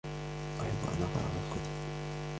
أحب أن أقرأ الكتب.